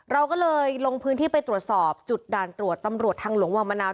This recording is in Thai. เราก็เลยลงพื้นที่ไปตรวจสอบจุดด่านตรวจตำรวจทางหลวงวังมะนาว